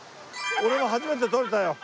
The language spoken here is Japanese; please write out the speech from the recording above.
俺も初めて取れたよ！